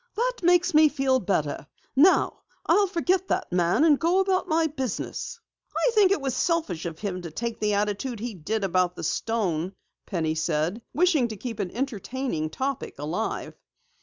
"That makes me feel better. Now I'll forget that man and go about my business." "I think it was selfish of him to take the attitude he did about the stone," Penny said, wishing to keep an entertaining topic alive.